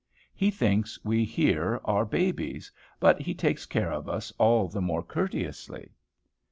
He thinks we here are babies; but he takes care of us all the more courteously."